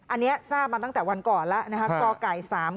อันนี้ทราบมาตั้งแต่วันก่อนแล้วนะครับกไก่๓๘